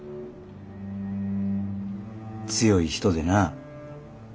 強い人でな。